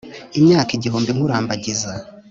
Imyaka igihumbi nkurambagiza.